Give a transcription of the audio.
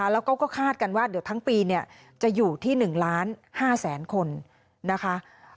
แล้วก็คาดกันว่าเดี๋ยวทั้งปีจะอยู่ที่๑ล้าน๕แสนคนนะคะ